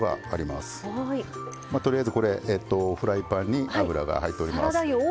まあとりあえずこれフライパンに油が入っております。